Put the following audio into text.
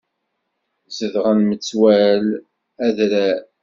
Zedɣen metwal adrar.